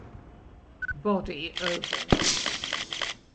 Body oval.